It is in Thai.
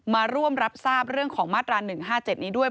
มาร่วมรับทราบเรื่องของมาตรา๑๕๗นี้ด้วย